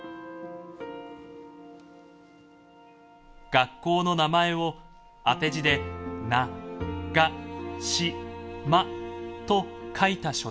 学校の名前を当て字で「汝我志磨」と書いた書です。